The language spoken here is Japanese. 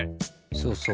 そうそう。